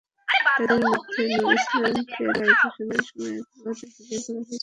তাঁদের মধ্যে নূর ইসলামকে রায় ঘোষণার সময় আদালতে হাজির করা হয়েছিল।